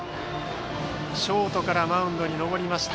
ショートからマウンドに上がりました。